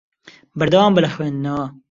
بەردەوام بە لە خوێندنەوە.